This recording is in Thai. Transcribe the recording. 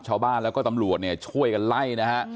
ชาวบ้านแล้วก็ตำรวจเนี่ยช่วยกันไล่นะฮะ